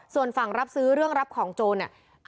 ส่วนฝั่งรับซื้อเรื่องรับของโจรเนี่ย